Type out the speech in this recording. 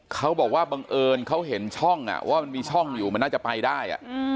เขาบอกว่าบังเอิญเขาเห็นช่องว่ามันมีช่องอยู่มันน่าจะไปได้